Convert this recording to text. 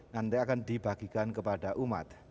nanti akan dibagikan kepada umat